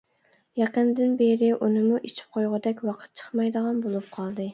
يېقىندىن بېرى ئۇنىمۇ ئېچىپ قويغۇدەك ۋاقىت چىقمايدىغان بولۇپ قالدى.